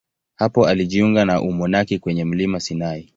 Hapo alijiunga na umonaki kwenye mlima Sinai.